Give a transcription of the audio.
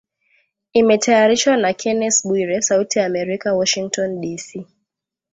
Imetayarishwa na Kennes Bwire, Sauti ya Amerika, Washington DC